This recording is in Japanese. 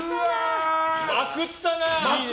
まくったな！